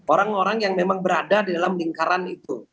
orang orang yang memang berada di dalam lingkaran itu